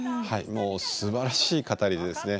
もうすばらしい語りでですね